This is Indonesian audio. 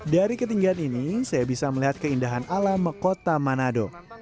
dari ketinggian ini saya bisa melihat keindahan alam kota manado